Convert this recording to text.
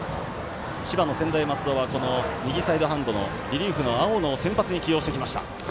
千葉の専大松戸は右サイドハンドのリリーフの青野を先発に起用してきました。